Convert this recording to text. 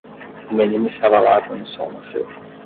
O menino estava lá quando o sol nasceu.